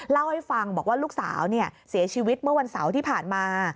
เล่าให้ฟังบอกว่าลูกสาวเสียชีวิตเมื่อวันเสาร์ที่ผ่านมา